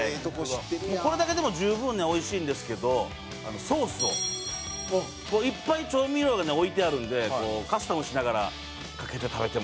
これだけでも十分おいしいんですけどソースをいっぱい調味料が置いてあるんでカスタムしながらかけて食べてもおいしいという。